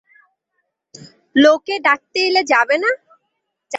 লোকে ডাকতে এলে যাবে না?